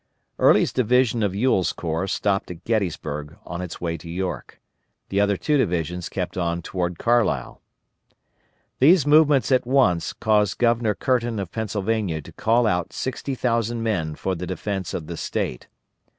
Early's division of Ewell's corps stopped at Gettysburg on its way to York. The other two divisions kept on toward Carlisle. These movements at once caused Governor Curtin of Pennsylvania to call out 60,000 men for the defence of the State.